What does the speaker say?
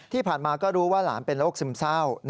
ที่ผ่านมาก็รู้ว่าหลานเป็นโรคซึมเศร้า